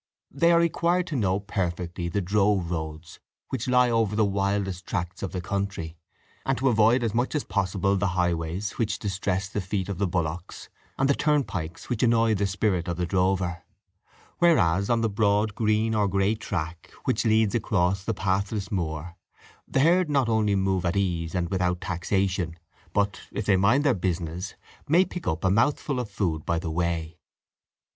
They are required to know perfectly the drove roads, which lie over the wildest tracts of the country, and to avoid as much as possible the highways, which distress the feet of the bullocks, and the turnpikes, which annoy the spirit of the drover; whereas on the broad green or grey track, which leads across the pathless moor, the herd not only move at ease and without taxation, but, if they mind their business, may pick up a mouthful of food by the way.